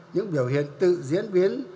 những biểu hiện tự diễn biến